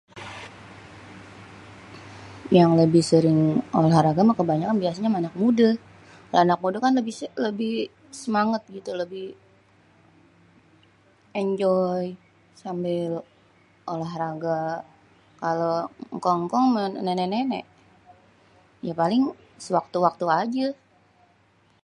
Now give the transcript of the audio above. yang lebih sering olahraga kebanyakan biasènyè anak mudè, [ya] anak mudè kan lebih semangèt gitu lebih, enjoy sambil olahraga, kalo èngkong-èngkong mèh nènèk-nènèk, ya paling kalo sewaktu-waktu ajè.